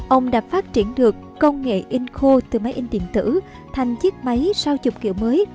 ông đã phát triển được công nghệ in khô từ máy in điện tử thành chiếc máy sao chụp kiểu mới